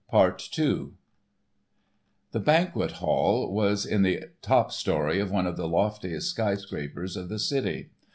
*PART TWO* The banquet hall was in the top story of one of the loftiest sky scrapers of the city.